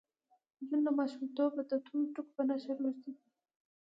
جون له ماشومتوبه د تورو ټکو په نشه روږدی و